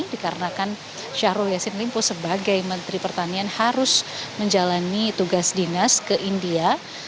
dikarenakan syahrul yassin limpo sebagai menteri pertanian harus menjalani tugas dinas ke india